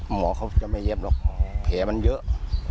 หมอเขาจะไม่เย็บหรอกแผลมันเยอะ